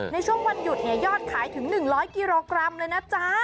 ในช่วงวันหยุดเนี่ยยอดขายถึง๑๐๐กิโลกรัมเลยนะจ๊ะ